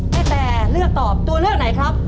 แตเลือกตอบตัวเลือกไหนครับ